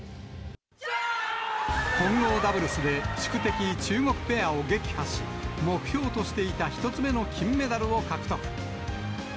混合ダブルスで、宿敵中国ペアを撃破し、目標としていた１つ目の金メダルを獲得。